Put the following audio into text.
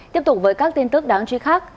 tiếp tục với các tin tức đáng truy khắc